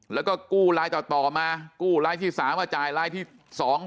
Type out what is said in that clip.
แล้วก็กู้รายต่อมากู้รายที่๓มาจ่ายรายที่๒๐๐